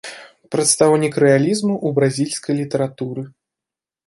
Прадстаўнік рэалізму ў бразільскай літаратуры.